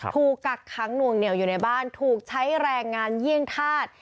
กักขังหน่วงเหนียวอยู่ในบ้านถูกใช้แรงงานเยี่ยงธาตุ